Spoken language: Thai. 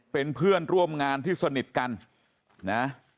เป็นเพื่อนร่วมงานที่สนิทกันนะ